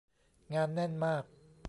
งานแน่นมาก